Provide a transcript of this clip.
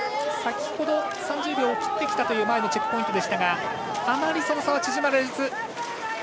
先ほど３０秒を切ってきたという前のチェックポイントでしたがあまり差は縮まらず。